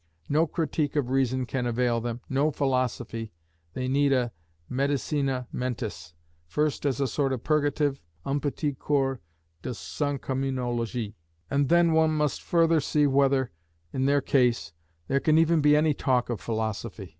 No Critique of Reason can avail them, no philosophy, they need a medicina mentis, first as a sort of purgative, un petit cours de senscommunologie, and then one must further see whether, in their case, there can even be any talk of philosophy.